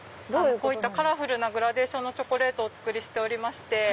こういったカラフルなグラデーションのチョコレートをお作りしておりまして。